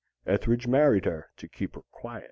Ethridge married her to keep her quiet.